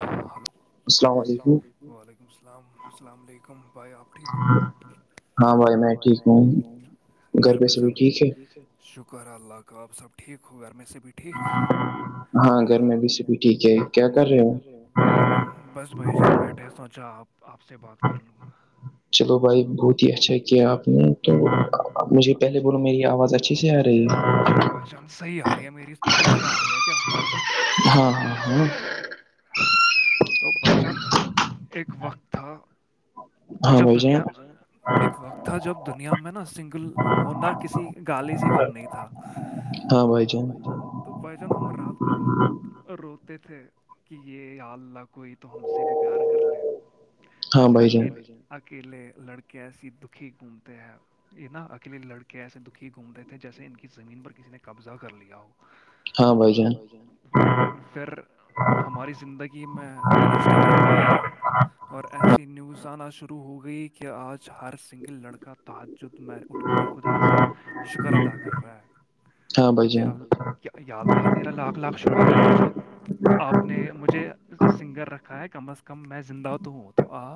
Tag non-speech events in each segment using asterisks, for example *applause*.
hello السلام علیکم و علیکم السلام السلام علیکم بھائی آپ ٹھیک ہو ہاں بھائی میں ٹھیک ہوں گھر میں سب بھی ٹھیک ہے شکر اللہ کا آب سب ٹھیک ہو گھر میں سے سبی ٹھیک ہے ٹھیک ہاں گھر میں بی سی بھی ٹھیک ہے کیا کر رہے بس بھائی جان بیٹھے سوچا آپ آپ سے بات کر لوں گا چلو بھائی بہت ہی اچھا کیا آپ نے تو مجھے پہلے بولو میری آواز اچھی سے آ رہی ہے صحیح آ رہی ہے میری ٹھیک سے آ رہی ہے کیا تو بھائی جان اک وقت تھا جب دنیا ایک وقت تھا جب دنیا میں نا سنگل ہونا کسی گالی سے کم نہیں تھا *inaudible* ہاں بھائی جان تو بھجن ہم رات کو رو روتے تھے کہ یہ ال اللہ کوئی تو ہم سے بھی پیار کر لے ایسے اکی اکیلے لڑکے ایسی دکھی گھومتے ہیں یہ نا اکیلے لڑکے ایسے دکھی گھومتے تھے جیسے ان کی زمین پر کسی نے قبضہ کر لیا ہو ہاں بھائی جان لیکن پھر ہماری زندگی میں انسٹاگرام آیا اور ایسی نیوز آنا شروع ہو گئی کہ آج ہر سنگل لڑکا تعجد میں اٹھ کر خدا سے شکر ادا کر رہا ہے کہ تیرا لو یاد اللہ تیرا لاکھ لاکھ شکر ہے جو آپ نے مجھے سنگر رکھا ہے کم از کم میں زندہ تو ہوں تو آ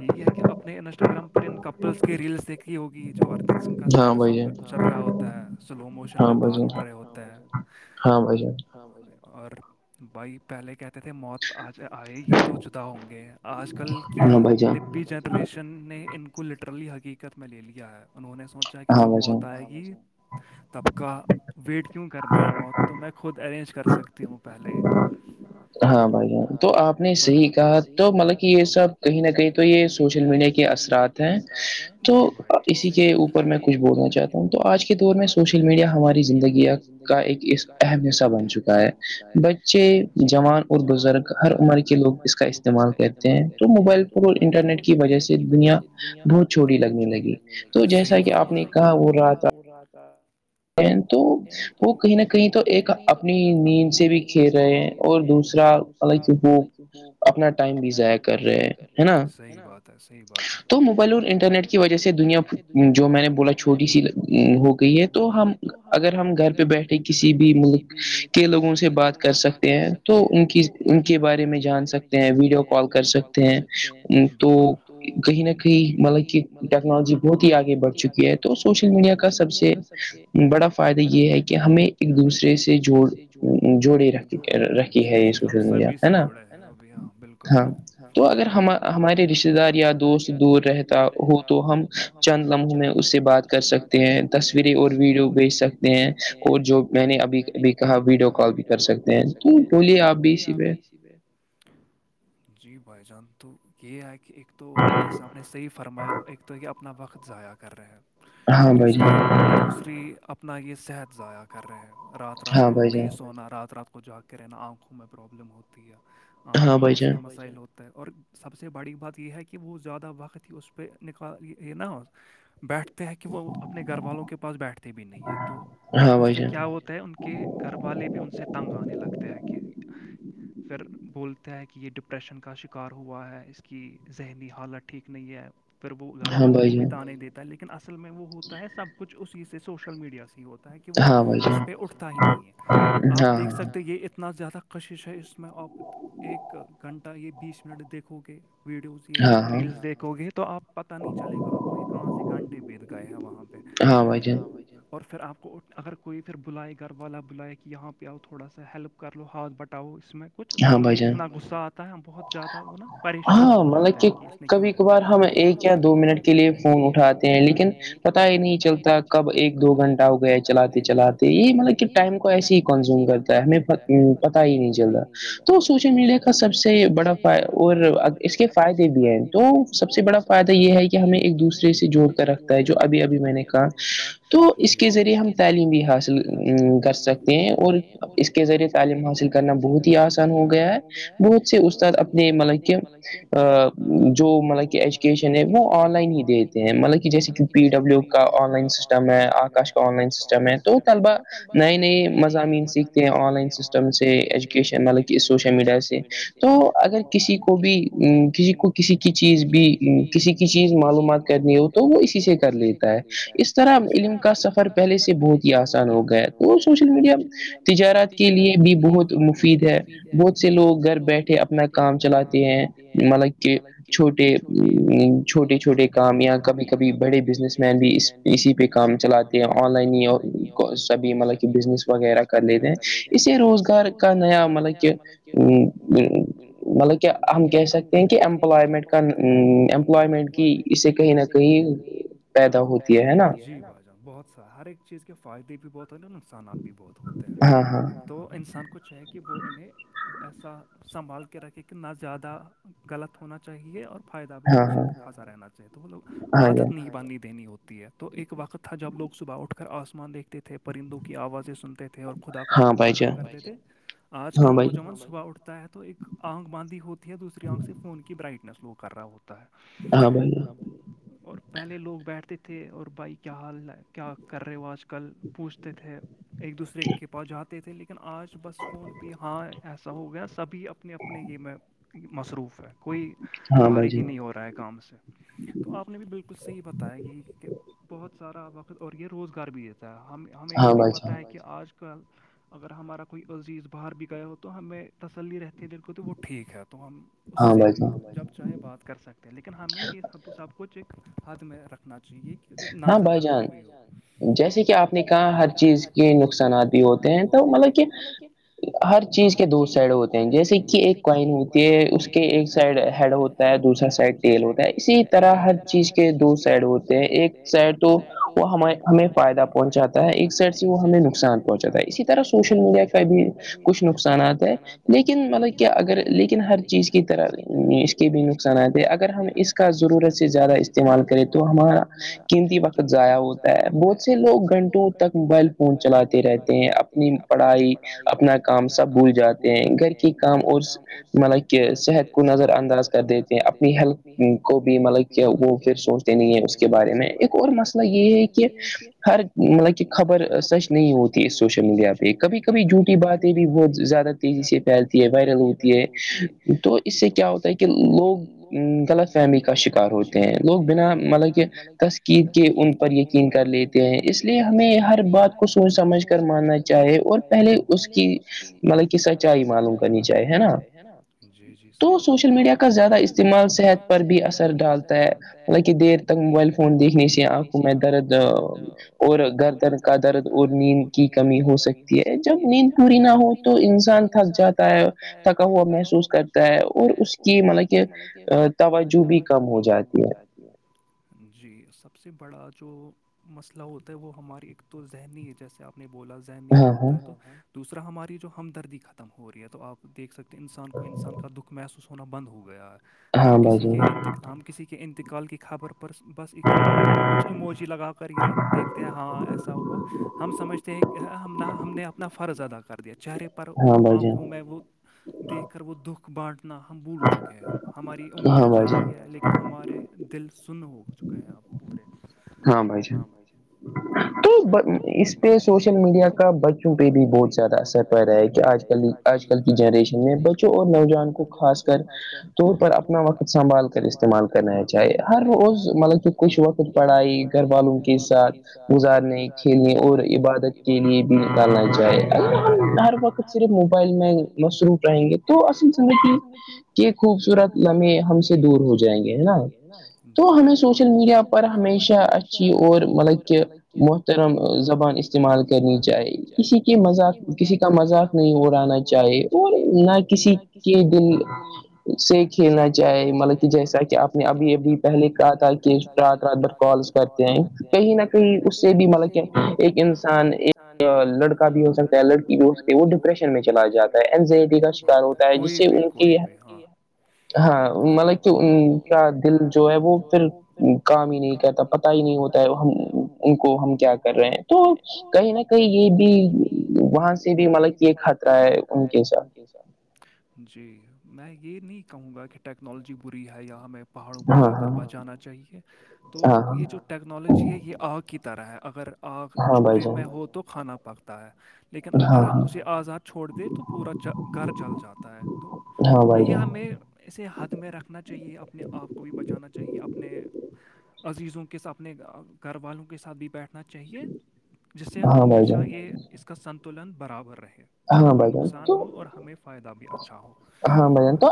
یہ ہے کہ اپنے انسٹاگرام پر ان کپلس کی ریلس دیکھی ہوگی جو ارجت سنگھ کا سیڈ سونگ چل رہا ہوتا ہے سلو موشن میں بال اٹھ رہے ہوتے ہیں ہاں بھائی ہاں اور بھائی پہلے کہتے تھے موت آج آئے گی تو جدا ہوں گے آج کل کی نیبی جت ریشن نے ان کو لٹرلی حقیقت میں لے لیا ہے انہوں نے سوچا ج کہ جب موت آئے گی تب کا ویٹ کیا کیوں کرنا ہے موت تو میں خود ارینج کر سکتی ہوں پہلے ہاں بھائی تو آپ نے صحیح کہا تو مطلب کہ یہ سب کہیں نہ کہیں تو یہ سوشل میڈیا کی سوشل میڈیا کے اثرات ہیں ج ب اسی کے اوپر میں کچھ بولنا چاہتا ہوں کے دور میں سوشل میڈیا ہماری زندگی کا ایک اہم حصہ بن چکا ہے بچ جوان اور بزرگ ہر عمر کے لوگ اس کا استعمال کرتے ہیں تو موبائل ف اور انٹرنیٹ انٹرنیٹ کی وجہ سے دنیا بہت چھوٹی لگنے لگی صحیح بات جسا کہ آپ نے کہاں ہو رہا تھا *inaudible* تو وہ کہیں نہ کہیں تو ایک اپنی اپنی نیند سے بھی کھیر رہے ہیں اور دوسرا ال وہ اپنا ٹائم بھی ضائ کر صی بات صح بات ہے تو موبائل اور انٹرنیٹ کی وجہ سے دنیا جو میں نے بولا چکا چھوٹی سی ہم اگر ہم گھر پہ بیٹھے کسی بھی ملک کے لوگوں سے بات کر سکتے ہیں تو ان کی ان کے بارے میں جان سکتے ہیں ویڈیو کال کر سکتے ہیں تو کہیں نہ کہیں مطلب کہ ٹیکنالوجی بہت ہی آگے بڑھ چکی ہے تو سوشل میڈیا کا سب سے بڑا فائدہ یہ ہے کہ ہمیں ایک دوسرے سے جوڑ جی جی ہم سبھی سے جڑے ہیں ابھی ہاں بالکل ہاں تو اگر ہم ہمارے رشتے دار یا دوست دور رہتا ہو تو ہم چند لمحوں میں اس سے بات کر سکتے ہیں تس اور ویڈیو بھیج سکتے ہیں اور جو میں نے ابھی بھی کہا بھی کہا ویڈیو کال بھی کر سکتے ہیں تو بولیے آپ بھی اسی پ جی بھائی جان تو یہ ہے کہ ایک تو جیسا ہم نے صحیح فرمایا ہو ایک تو یہ اپنا وقت ضائع کر رہے ہیں دوسری دوسری اپنا یہ صحت ضائع کر رہے ہیں رات کو نہیں سونا رات رات کو جھاگ کے رہنا آنکھوں میں پرابلم ہوتی ہے آنکھوں میں مسئلہ مسائل ہو اور سب سے بڑی بات یہ ہے کہ وہ زیادہ وقت ہی اس پہ نکال نہ ہو بیٹھتے ہیں کہ وہ اپنے گھر والوں کے پاس بیٹھتے بھی نہیں ہیں تو اس سے کیا ہوتا ہے ان کہ گھر والے بھی ان سے تنگ آنے لگتے ہیں کہ پھر بولتے ہیں کہ یہ ڈپریشن کا شکار ہوا ہے اس کی ذہنی حالت ٹھیک نہیں ہے پھر وہ گھر والوں کو بھی تو آ نہیں دیتا ہے لیکن اصل میں وہ ہوتا ہے سب کچھ اسی سے سوشل میڈیا سے ہی ہوتا ہے ہے کہ وہ اس پہ اٹھتا ہی نہیں ہے آپ دیکھ سکتے یہ اتنا زیادہ خشش ہے اس میں آپ ایک گھنٹہ یہ بیس منٹ دیکھو گے ویڈیوز یہ ریلس دیکھو گے تو آپ پتہ نہیں چلے گا آپ کو یہ کہاں سے گھانٹے بیت گئے ہیں وہاں پہ ہاں بھائی جن اور پھر آپ کو اگر کوئی پھر بلائے گا گھر والا بلیا کہ یہاں پہ آؤ تھوڑا سا ہیلپ کر لو ہات بٹاؤ اس میں کچھ تو ہمیں اتنا غصہ آتا ہے ہم بہت زیادہ وہ نا پریشان ہو جاتا کہ کبھی کبھار ہم ایک یا دو منٹ کے لیے فون اٹھاتے ہیں لیکن پتا ہی نہیں چلتا کب ایک دو گھنٹہ ہو گیا چلاتے چلاتے یہ ٹائم کو ایسے ہی کنزیوم کرتا ہے ہمیں پت ہی نہیں چلتا تو سوشل میڈیا کا سب سے بڑا ف اور اس کے فائدے بھی ہیں تو سب سے بڑاد فائدہ یہ ہے کہ ہمیں ایک دوسرے سے جوڑ کر رکھتا ہے جو ابھی ابھی میں نے کہا تو اس کے ذریعے ہم تعلیم بھی حاصل کر سکتے ہیں اور اس کے ذریعے تعلیم حاصل کرنا بہت آسان ہو گیا ہے بہت سے استاد اپنے مطلب کہ جو مطلب کہ ایچ شن ہے وہ آن لائن ہی دیتے ہیں مطلب کہ جیسے کہ پی ڈبلو کا آن لائن سسٹم ہے آکاش آن لائن سسٹم ہے تو طلبا نئے نئے مضامین سیکھتے ہیں آن لائن سسٹم سے مطلب سوشل میڈیا سے تو اگر کسی کو بھی کسی کو کسی کی چیز بھی کسی کی چیز معلومات کرنی ہو تو وہ اسی سے کر لیتا ہے اس سرا علم کا سفر پہلے سے بہت ہی آسان ہوگا گ تو سوشل میڈیا تجارات کے لیے بھی بہت مفید ہے بہت سے لوگ گھر بیٹھے اپنا کام چلاتے ہیں مطلب کہ چھوٹے چھوٹے چھوٹے کام یا کبھی کبھی بڑے بزنس مین بھی اس اسی پہ کام چلاتے ہیں آن لائن ہی سبھی مطلب کہ بزنس وغیرہ کر لیتے ہیں اسے روزگار کا نیا مطلب کہ مطلب کہ ہم کہہ سکتے ہیں کہ امپلائمنٹ ٹ امپلائمنٹ کی اسے کہیں نہ کہیں پیدا ہو گیا ہر ایک چیز کے فائدے بھی بہت ہوتے ہیں اور نقصانات بھی بہت ہوتے ہیں تو انسان کو چاہے کہ وہ انہیں وہ ایسا سنبھال کے رکھے کہ نہ زیادہ غلط ہونا چاہیے اور فائدہ بھی اچھے خاصہ رہنا چاہیے تو وہ لوب عادت نہیں بانی دینی ہوتی ہے تو ایک وقت تھا جب لوگ صبح اٹھ کر آسمان دیکھتے تھے پرندوں کی آوازیں سنتے تھے تھے اور خدا کا شکر ادا کرتے تھے آج کا نوجوان صبح اٹھتے ہے تو ایک آنکھ باندھی ہوتی ہے دوسری آنکھ سے فون کی برائٹنس وہ کر رہا ہوتا ہاں بائی اور پہلے لوگ بیٹھتے تھے اور بھائی کیا حال ہے کیا کر رہے آج کل پوچھتے تھے ایک دوسرے کے پاس جاتے تھے لیکن آج بس فون پہ ہاں ایسا ہو گیا سبھی اپنے اپنے اپنے گی میں مصروف ہے کوئی فارغ ہی نہیں ہو رہا ہے کام سے تو آپ نے بھی بالکل صحیح بتایا یہی کہ بہت سارا وقت اور یہ روزگار بھی دیتا تو ہم ہمیں یہ بھی پتہ ہے کہ آج کل اگر ہمارا کوئی عزیز باہر بھی گیا ہو تو ہمیں تسلی رہتی ہے جن کو تو وہ ٹھیک ہے تو ہم اس سے بھی جب چاہے بات کر سکتے لیکن ہمیں یہب سب کوھ ایک ہد میں رکھنا چاہیے کہ نہ زیادہ ہاو ہو جیسے کہ آپ نے کہا ہر چیز کے نقصانات بھی ہوتے ہیں تو مطلب کہ ہر چیز کے دو سائڈ ہوتے ہیں جیسے کہ ایک کوائن ہوتی ہے اس کے ایک سائڈ ہیڈ ہو تا دوسرا سائڈ تیل ہوتا ہے اسی طرح ہر چیز کے دو سائڈ ہو ایک شر تو وہ ہم ہمیں پ فائدہ پہنچاتا ہے ایک سائڈ سے وہ ہمیں نقصان پہنچا ہے اسی طرح سوشل میڈیا کا بھی کچھ نقصانات ہیں لیکن مطلب کیا اگر لیکن ہر چیز کی طرح اس کے کے بھی نقصانات ہیں اگر ہم اس کا ضرورت سے زیادہ استعمال کریں تو ہمارا قیمتی وقت ضائع ہوتا ہے بہت سے لوگ گھنٹوں تک موبائل فون چلاتے رہتے ہیں اپنی پڑھائی اپنا کام سب بھول جاتے ہیں گھر کے کام اور مطلب کہ صحت کو نظر انداز کر دیتے اپنی ہیلپ کو بھی مطلب کہ وہ پھر سوچتے نہیں ہیں اس کے کے بارے میں ایک اور مسئلہ یہ ہے کہ ہر مطلب کہ خبر سچ نہیں ہوتی اس سوشل میڈیا پہ کبھی کبھی جھوٹی باتیں بھی بہت زیادہ تیزی سے پھیلتی ہے وائرل ہوتی ہے تو اس سے کیا ہوتا ہے کہ لوگ غلط فہمی کا شکار ہوتے ہیں لوگ بنا مطلب کہ تسکیر کے ان پر یقین کر لیتے اس لیے ہمیں ہر بات کو سوچ سمجھ کر ماننا چاہیے اور پہلے اس کی مطلب کہ سچائی معلوم کرنی چاہیے نا جی جیحیح فرم زیادہ استعمال صحت پر بھی اثر ڈالتا ہے مطلب دیر تک موبائل فون دیکھنے سے آپکھ کو میں درد اور گردر کا درد اور نیند کی کمی ہو سکتی ہے جب نیند پوری نہ ہو تو انسان تھک جاتا ہے تھکا ہوا محسوس کرتا ہے اور اس کی مطلب کہ توجہ بھی کم ہو جاتی ہے جی سب سے بڑا جو مسئلہ ہوتا ہے وہ ہماری ایک تو ذہنی ہے جیسے آپ نے بولا ذہنی یہ ہوتا ہے تو دوسرا ہماری جو ہمدردی ختم ہو رہی ہے تو آپ دیکھ سکتے ہیں انسان کو انسان کا دکھ محسوس ہونا بند ہو گیا ہے ہم کسی کے ہم کسی کے انتقال کے خبر پر بس ایک وہ نا کچھ اموج ہی لگا کر یا دیکھتے ہیں ہاں ایسا ہوا ہم سمجھتے ہیں کہ ہم ہم نے اپنا فرض ادا کر دیا چہرے پہ پر وہ آنکھوں میں وہ دیکھ کر وہ دکھ بانٹنا ہم بھول چکے ہیں ہماری انگلیاں چل رہی ہے لیکن ہمارے دل سن ہو چکا ہے آپ مے ہاں بھائی ج تو اس پہ سوشل میڈیا کا بچوں پہ بھی بہت زیادہ اثر پڑ رہا ہے کہ آج کل آج کل کی جنریشن میں بچوں اور نوجوان کو خاص کر طور پر اپنا وقت سنبھال کر استعمال کرنا ہے چاہیے ہر روز مطلب کہ کچھ وقت پڑھائی گھر والوم کے ساتھ گزارنے کھیلنے اور عبادت کے لیے بھی نکالنا چاہے ہر وقت صرف موبائل میں مصروف رہیں گے تو اصل زندگی کے خوبصورت خوبصورت ل ہم سے دور ہو جائیں گے نا تو ہمیں سوچنا اور ہمیشہ اچھی اور مطلب کہ محترم زبان استعمال کرنی چاہیے کسی کے مذاق کسی کا مذاق نہیں ہو رہانا چاہیے اور نہ کسی کے دل سے کھیلنا چاہے مطلب کہ جیسا کہ آپ نے ابھی ابھی پہلے کہا تھا کہ رات رات بھر کالس کرتے ہیں کہیں نہ کہیں اس سے بھی مطلب کہ ایک انسان ایک لڑکا بھی ہو سکتا لڑکی کو کے وہ ڈپریشن میں چلا جاتا ہے اینزائٹی کا شکار ہوتا ہے جس سے ان کی ہاں مطلب کہ ان کا دل جو ہے وہ پھر کام ہی نہیں کہتا پتا ہی نہیں ہوتا ہم ان کو ہم کیا کر رہے ہیں تو کہیں نہ کہیں یہ بھی وہاں سے بھی مطلب یہ خطرہ ہے ان کے ساتھ جی میں یہ نہیں کہوں گا کہ ٹیکنالوجی بری ہے یہاں ہم پہاڑوں پر جا کر بس جانا چاہیے تو یہ جو ٹیکنالوجی ہے یہ آگ کی طرح ہے اگر آگ چولہے میں ہو تو کھانا پکتا ہے لیکن اگر ہم اسے آزاد چھوڑ دے تو پورا گھر جل جاتا ہے تو یہی ہمیں اسے حد میں رکھنا چاہیے اپنے آپ کو بھی بچانا چاہیے اپنے عزیزوں کے س گھر والوں کے ساتھ بھی بیٹھنا چاہیے جس سے ہمیشہ یہ اس کا سنتلن برابر رہے نہ کوئی نقصان ہو اور ہمیں فائدہ بھی اچھا ہو ہاں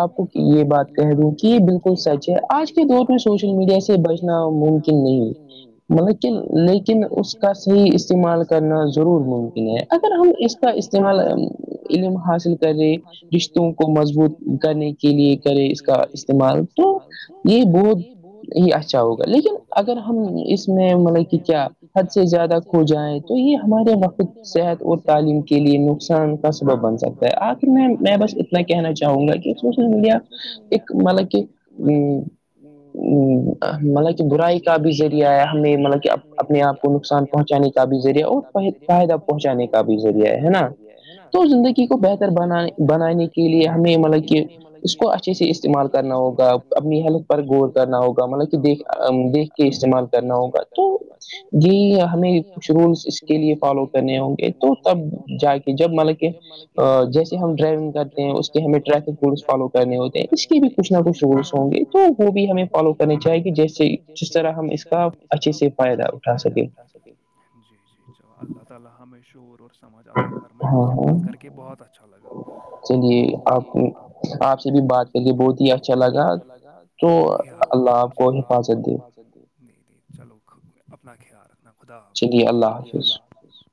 آپ کو یہ بات کہہ دوں کہ یہ بالکل سچ ہے آج کے دور میں سوشل میڈیا سے بچنا ممکن نہیں مطلب کہ لیکن اس کا صحیح استعمال کرنا ضرور ممکن ہے اگر ہم اس کا استعمال علم حاصل کرنے رشتوں کو مضبوط کرنے کی کے لیے کرے اس کا استعمال تو یہ بہت ہی اچھا ہوگا لیکن اگر ہم اس میں مطلب کہ کیا حد سے زیادہ کھو جائیں تو یہ ہمارے وقت صحت اور تعلیم کی لیے نقصان کا سبب بن سکتا ہے آخر میں میں بس اتنا کہنا چاہوں گا کہ سوشل میڈیا سوشل میڈیا ایک مل کہ ا برائی کا بھی ذریعہ ہے ہمیں مطلب کہ اپنے آپ کو نقصان پہنچانے کا بھی ذریعہ اور فائدہ پہنچانے کا بھی ذریعہ ہے ذریعہ ہے نا بالکل تو زندگی کو بہتر بانے بنانے کے لیے ہمیں مطلب اس کو اچھے سے استعمال کرنا ہوگا اپنی ہیلتھ پر غور کرنا ہوگا مطلب کہ دیکھ دیکھ کے استعمال کرنا ہوگا تو یہ ہمیں کچھ رولس کے لیے فالو کرنے ہوں گے تو تب جا کے جب مطلب کہ جیسے ہم ڈرائیونگ کرتے ہیں اس کے ہمیں ٹریفک رولس فالو کرنے ہوتے ہیں اس کے بھی کچھ نہ کچھ رولس ہوں گے تو وہ بھی ہمیں فالو کرنے چاہے گی جیسے جائے گی جیس جس طرح ہم اس کا اچھے سے فائدہ اٹھا سکیں جی جی چلو اللہ تعالی ہمیںشہور اور سمجھ آتا فر میں آپ سے بات کر کے بہت اچھا لگا چلیے آپ آپ سے بھی بات کرے بہت ہی اچھا لگا تو اللہ آپ کو حفاظت دی نہیں نہیں چلو اپنا خیال رکھنا خدا حافظ بھائی اللہ حافظ